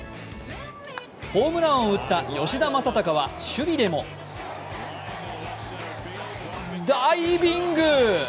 ホームランを打った吉田正尚は守備でも、ダイビング！